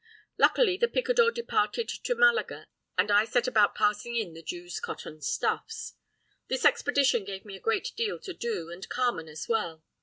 "Luckily the picador departed to Malaga, and I set about passing in the Jew's cotton stuffs. This expedition gave me a great deal to do, and Carmen as well.